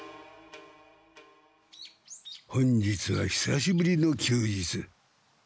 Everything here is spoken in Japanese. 本日はひさしぶりの休日。